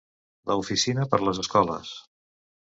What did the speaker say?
La oficina per les escoles.